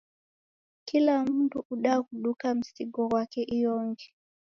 Kila mndu udaghuduka msigo ghwake iyonge.